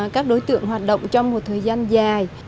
các đối tượng hoạt động trong một thời gian dài